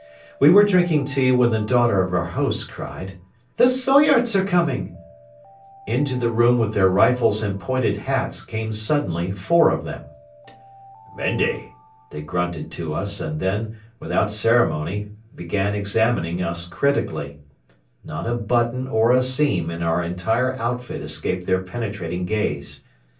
We were drinking tea when the daughter of our host cried: "The Soyots are coming!" Into the room with their rifles and pointed hats came suddenly four of them. "Mende," they grunted to us and then, without ceremony, began examining us critically. Not a button or a seam in our entire outfit escaped their penetrating gaze.